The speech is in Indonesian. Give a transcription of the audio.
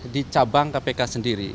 di cabang kpk sendiri